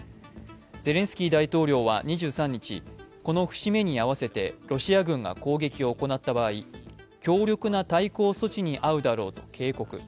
ゼレンスキー大統領は２３日、この節目に合わせてロシア軍が攻撃を行った場合強力な対抗措置に遭うだろうと警告。